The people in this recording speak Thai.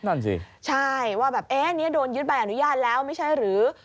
นั่นสิใช่ว่าแบบเอ๊ะเนี่ยโดนยึดใบอนุญาตแล้วไม่ใช่หรือ